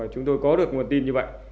chúng tôi có được nguồn tin như vậy